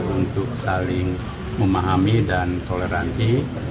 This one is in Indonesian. untuk saling memahami dan toleransi